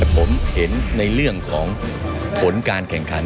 ผมเห็นในเรื่องของผลการแข่งขัน